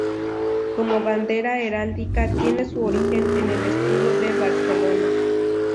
Como bandera heráldica tiene su origen en el escudo de Barcelona.